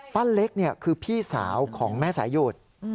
ป้าเล็กเนี่ยคือพี่สาวของแม่สายหยุด